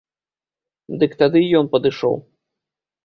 Дык тады і ён падышоў.